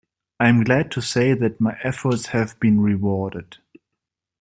I am glad to say that my efforts have been rewarded.